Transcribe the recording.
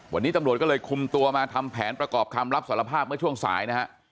วันนี้ตำรวจก็เลยคุมตัวมาทำแผนประกอบคำรับสารภาพเมื่อช่วงสายนะฮะ